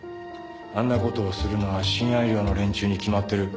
あんなことをするのは親愛寮の連中に決まってる。